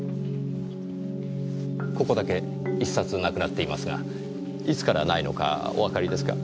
ここだけ１冊なくなっていますがいつからないのかおわかりですか？